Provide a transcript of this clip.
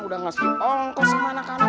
udah ngasih ongkos kemana kana